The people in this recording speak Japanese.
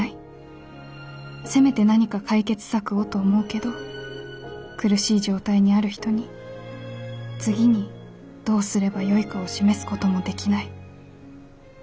せめて何か解決策をと思うけど苦しい状態にある人に次にどうすればよいかを示すこともできない」。